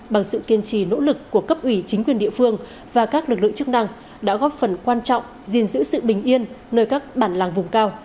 bằng sự kiên trì nỗ lực của cấp ủy chính quyền địa phương và các lực lượng chức năng đã góp phần quan trọng gìn giữ sự bình yên nơi các bản làng vùng cao